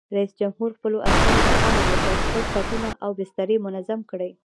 رئیس جمهور خپلو عسکرو ته امر وکړ؛ خپل کټونه او بسترې منظم کړئ!